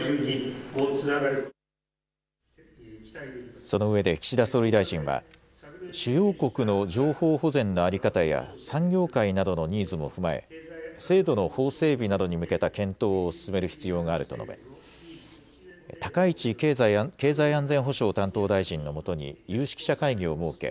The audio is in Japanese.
そのうえで岸田総理大臣は主要国の情報保全の在り方や産業界などのニーズも踏まえ制度の法整備などに向けた検討を進める必要があると述べ高市経済安全保障担当大臣のもとに有識者会議を設け